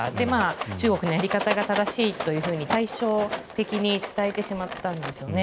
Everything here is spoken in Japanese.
中国のやり方が正しいというふうに、対照的に伝えてしまったんですね。